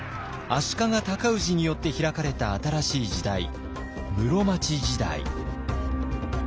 足利尊氏によって開かれた新しい時代室町時代。